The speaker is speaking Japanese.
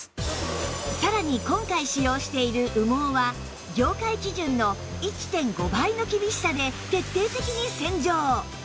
さらに今回使用している羽毛は業界基準の １．５ 倍の厳しさで徹底的に洗浄